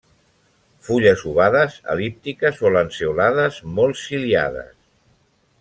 Fulles ovades, el·líptiques o lanceolades, molt ciliades.